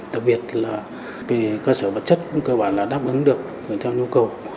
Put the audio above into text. đặc biệt là về cơ sở vật chất cũng cơ bản là đáp ứng được theo nhu cầu